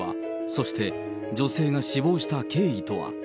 そして、女性が死亡した経緯とは。